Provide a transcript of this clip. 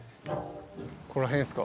ここら辺ですか？